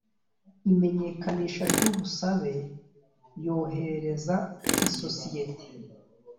imenyekanisha ry ubusabe yoherereza isosiyete